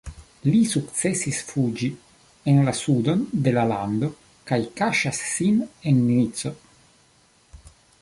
Li sukcesis fuĝi en la sudon de la lando kaj kaŝas sin en Nico.